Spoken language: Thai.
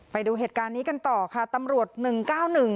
ไปดูเหตุการณ์นี้กันต่อค่ะตำรวจหนึ่งเก้าหนึ่ง